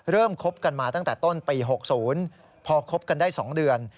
คบกันมาตั้งแต่ต้นปี๖๐พอคบกันได้๒เดือน